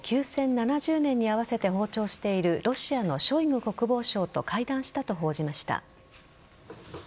７０年に合わせて訪朝しているロシアのショイグ国防相と会談したと報じました。